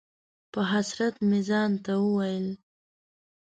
په حسرت مې ځان ته وویل: